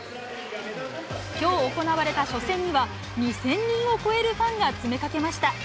きょう行われた初戦には、２０００人を超えるファンが詰めかけました。